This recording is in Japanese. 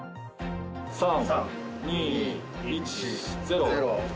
３、２、１、０。